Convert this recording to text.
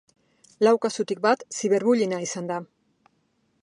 Lau kasutik bat ziberbullyinga izan da.